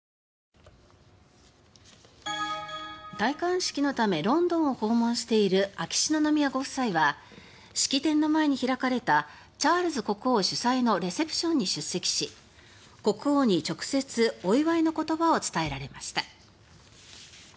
戴冠式のためロンドンを訪問している秋篠宮ご夫妻は式典の前に開かれたチャールズ国王主催のレセプションに出席し国王に直接、お祝いの言葉を伝えられました。